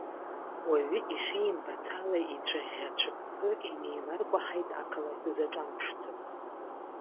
Уаҩы ишимбац ала ицәыӷьӷьа-цәыԥԥы, инеиларкәаҳаит ақалақь узаҿамԥшӡо.